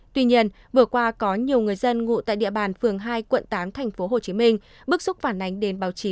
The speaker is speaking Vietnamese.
tuy nhiên vừa qua có nhiều người dân ngụ tại địa bàn phường hai quận tám tp hcm bức xúc phản ánh đến báo chí